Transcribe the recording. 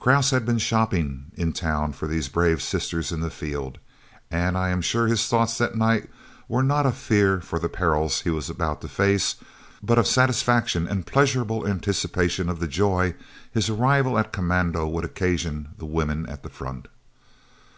Krause had been "shopping" in town for these brave sisters in the field, and I am sure his thoughts that night were not of fear for the perils he was about to face, but of satisfaction and pleasurable anticipation of the joy his arrival at commando would occasion the women at the front.